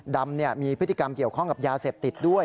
ดำมีพฤติกรรมเกี่ยวข้องกับยาเสพติดด้วย